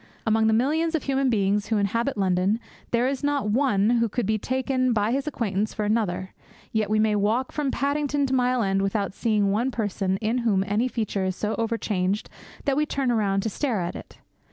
Among the millions of human beings who inhabit London, there is not one who could be taken by his acquaintance for another; yet we may walk from Paddington to Mile End without seeing one person in whom any feature is so overcharged that we turn round to stare at it.